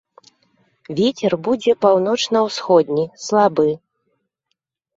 Вецер будзе паўночна-ўсходні, слабы.